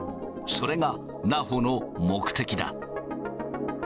それがナフォの目的だ。